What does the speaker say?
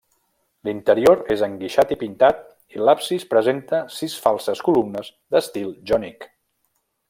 L'interior és enguixat i pintat i l'absis presenta sis falses columnes d'estil jònic.